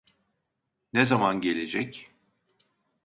Ne zaman gelecek?